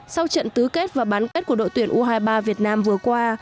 sau trận tứ kết và bán kết của đội tuyển u hai mươi ba việt nam vừa qua